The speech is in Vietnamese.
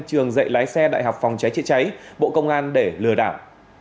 trường dạy lái xe đại học phòng cháy chữa cháy bộ công an để lừa đảo